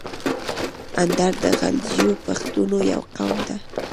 اندړ د غلجیو پښتنو یو قوم ده.